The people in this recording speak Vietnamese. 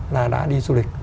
là đã đi du lịch